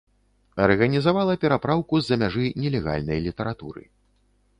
Арганізавала перапраўку з-за мяжы нелегальнай літаратуры.